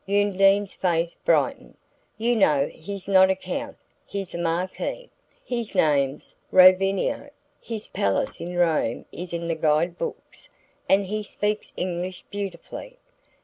Undine's face brightened. "You know he's not a Count; he's a Marquis. His name's Roviano; his palace in Rome is in the guide books, and he speaks English beautifully.